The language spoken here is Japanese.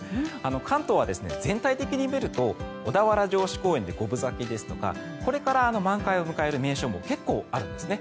関東は全体的に見ると小田原城址公園で五分咲きですとかこれから満開を迎える名所も結構あるんですね